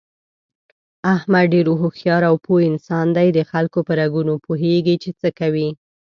احمد ډېر هوښیار او پوه انسان دی دخلکو په رګونو پوهېږي، چې څه کوي...